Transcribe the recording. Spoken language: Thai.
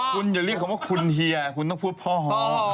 คุณอย่าเรียกคำว่าคุณเฮียคุณต้องพูดพ่อฮอ